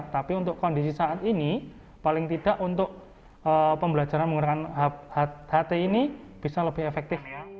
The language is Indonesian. tapi untuk kondisi saat ini paling tidak untuk pembelajaran menggunakan ht ini bisa lebih efektif